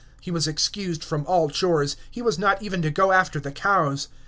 He was excused from all chores; he was not even to go after the cows.